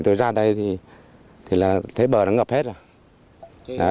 tôi ra đây thì là thấy bờ nó ngập hết rồi